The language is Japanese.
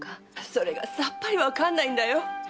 それがさっぱりわかんないんだよ。